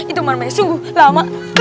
itu marmai sungguh lama